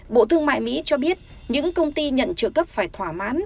bộ thương mại mỹ cho biết những công ty nhận trợ cấp phải thỏa mãn